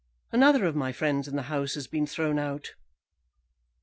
Another of my friends in the House has been thrown out."